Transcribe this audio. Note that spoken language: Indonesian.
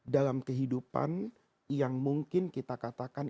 dalam kehidupan yang mungkin kita katakan